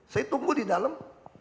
saya tunggu di dalam